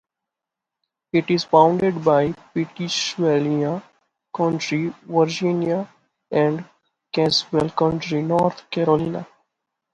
It is bounded by Pittsylvania County, Virginia and Caswell County, North Carolina.